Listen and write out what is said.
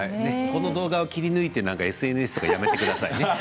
この動画を切り抜いてＳＮＳとかやめてくださいね。